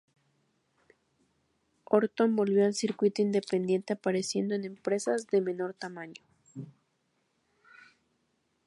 Orton volvió al Circuito Independiente apareciendo en empresas de menor tamaño.